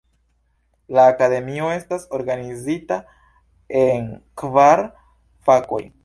La akademio estas organizita en kvar fakoj.